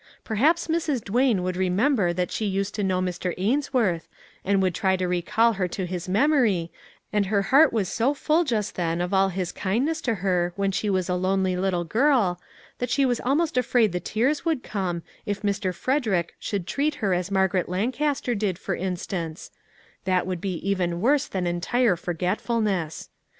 Perhaps Mrs. Duane would remember that she used to know Mr. Ainsworth, and would try to recall her to his memory, and her heart was so full just then of all his kindness to her when she was a lonely little girl, that she was almost afraid the tears would come, if Mr. Frederick should treat her as Margaret Lancaster did, for instance; that would be even worse than entire forgetfulness.